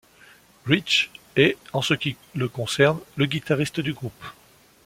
Rich est, en ce qui le concerne, le guitariste du groupe.